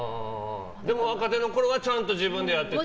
でも、若手のころはちゃんと自分でやってたと。